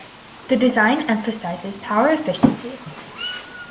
The design emphasizes power efficiency.